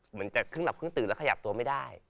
เหมือนจะครึ่งหลับครึ่งตื่นแล้วขยับตัวไม่ได้